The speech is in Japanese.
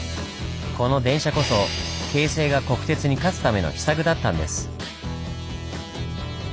この電車こそ京成が国鉄に勝つための秘策だったんです。